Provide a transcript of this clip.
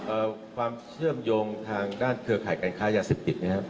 ความเชื่อมโยงทางด้านเครือข่ายการค้ายาเสพติดนะครับ